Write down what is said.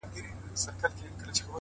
ښکلا پر سپینه غاړه ,